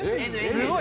すごい！